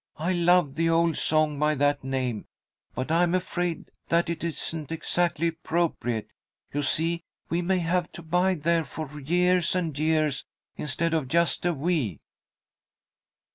"I love the old song by that name, but I'm afraid that it isn't exactly appropriate. You see, we may have to bide there for years and years instead of just a wee."